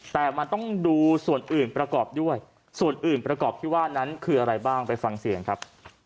แต่มันต้องดูส่วนอื่นประกอบด้วยส่วนอื่นประกอบที่ว่านั้นคืออะไรบ้างไปฟังเสียงครับ